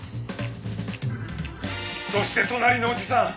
そして隣のおじさん